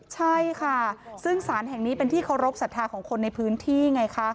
ใช่ค่ะซึ่งสารแห่งนี้เป็นที่เคารพสัทธาของคนในพื้นที่ไงคะ